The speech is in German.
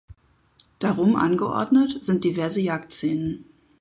Darum angeordnet sind diverse Jagdszenen.